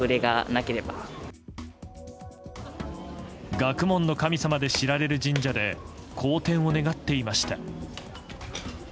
学問の神様で知られる神社で好天を願っていました。